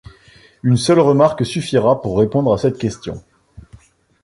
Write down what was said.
Une seule remarque suffira pour répondre à cette question.